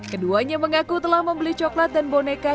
keduanya mengaku telah membeli coklat dan boneka